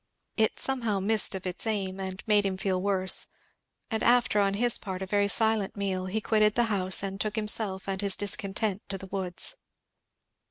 It somehow missed of its aim and made him feel worse; and after on his part a very silent meal he quitted the house and took himself and his discontent to the woods.